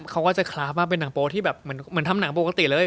เขาก็จะคลาบมาเป็นหนังโปโสที่อย่างทำหนังโปกละติเลย